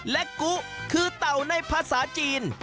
และกุคือเต่าในภาษาจีน